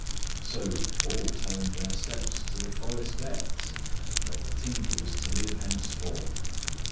So all turned their steps to the forest depths, where the Tinker was to live henceforth.